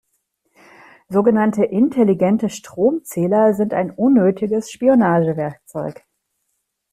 Sogenannte intelligente Stromzähler sind ein unnötiges Spionagewerkzeug.